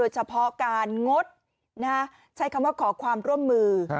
เฉพาะการงดใช้คำว่าขอความร่วมมือ